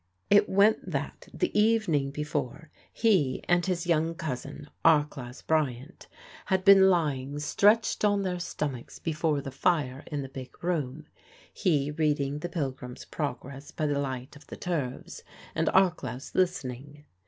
It went that, the evening before, he and his young cousin, Arch'laus Bryant, had been lying stretched on their stomachs before the fire in the big room he reading the Pilgrim's Progress by the light of the turves, and Arch'laus listening.